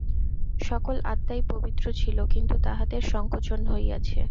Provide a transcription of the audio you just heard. সকল আত্মাই পবিত্র ছিল, কিন্তু তাহাদের সঙ্কোচন হইয়াছে।